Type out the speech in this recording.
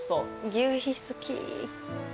求肥好き。